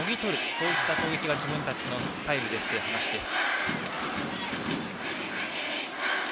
そういった攻撃が自分たちのスタイルですという話です。